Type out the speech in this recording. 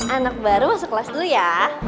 anak baru masuk kelas dulu ya